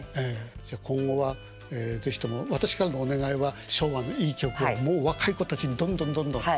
じゃ今後は是非とも私からのお願いは昭和のいい曲をもう若い子たちにどんどんどんどん。